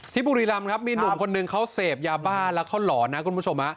บุรีรำครับมีหนุ่มคนหนึ่งเขาเสพยาบ้าแล้วเขาหลอนนะคุณผู้ชม